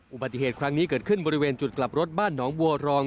อุบัติเหตุครั้งนี้เกิดขึ้นบริเวณจุดกลับรถบ้านหนองบัวรอง